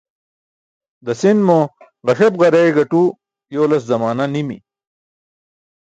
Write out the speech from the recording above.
Dasin mo ġasep-ġareey gaṭu yoolas zamaana nimi.